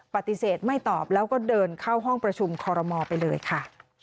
ปฏิเสธไม่ตอบแล้วก็เดินเข้าห้องประชุมคอรมอลไปเลยค่ะ